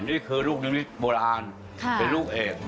นี่คือลูกนิมิตโบราณเป็นลูกเอก